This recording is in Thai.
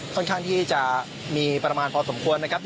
ค่อนข้างที่จะมีประมาณพอสมควรนะครับ